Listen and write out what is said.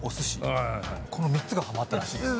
はいこの３つがハマったらしいです